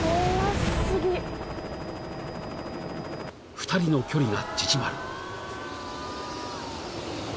［２人の距離が縮まる］